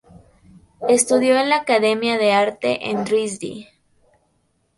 Estudió en la academia de arte en Dresde.